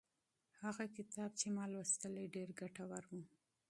هغه کتاب چې ما لوستلی ډېر ګټور و.